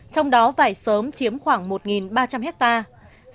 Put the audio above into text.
trong đó vải sớm chiếm khoảng một ba trăm linh hectare